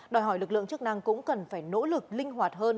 đòi hỏi lực lượng chức năng cũng cần phải nỗ lực linh hoạt hơn